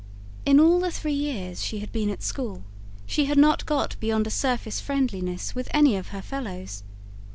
In all the three years she had been at school, she had not got beyond a surface friendliness with any of her fellows.